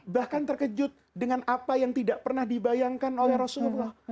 bahkan terkejut dengan apa yang tidak pernah dibayangkan oleh rasulullah